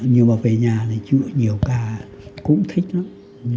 nhưng mà về nhà thì chưa nhiều ca cũng thích lắm